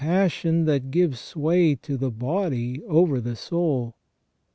passion that gives sway to the body over the soul.